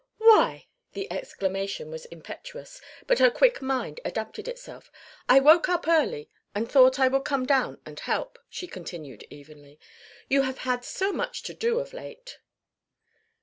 "Why!" The exclamation was impetuous, but her quick mind adapted itself. "I woke up early and thought I would come down and help," she continued evenly. "You have had so much to do of late."